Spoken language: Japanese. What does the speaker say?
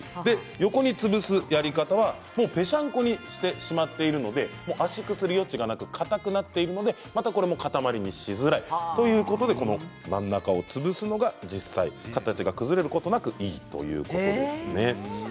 横に潰すやり方はぺしゃんこにしてしまっているので圧縮する余地がなくかたくなっているのでまたこれも塊にしづらいということで真ん中を潰すのが実際形が崩れることなくいいということですね。